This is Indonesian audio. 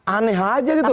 aneh aja gitu loh